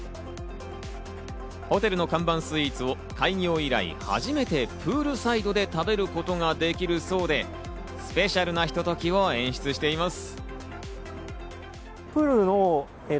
ホテルの看板スイーツを開業以来、初めてプールサイドで食べることができるそうで、スペシャルなひとときを演出しています。